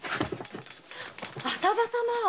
浅葉様